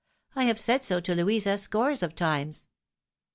I have said so to Louisa scores of times."